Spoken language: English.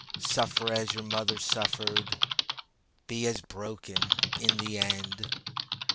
Suffer as your mother suffered, Be as broken in the end.